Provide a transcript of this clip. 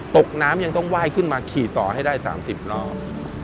ตกน้ำยังต้องไหว้ขึ้นมาขี่ต่อให้ได้๓๐รอบ